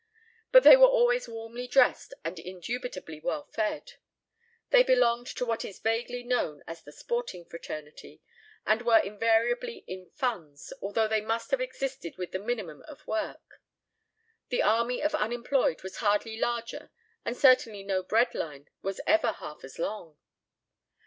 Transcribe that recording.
But they were always warmly dressed and indubitably well fed. They belonged to what is vaguely known as the sporting fraternity, and were invariably in funds, although they must have existed with the minimum of work. The army of unemployed was hardly larger and certainly no bread line was ever half as long.